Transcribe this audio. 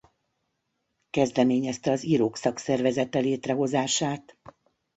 Kezdeményezte az Írók Szakszervezete létrehozását.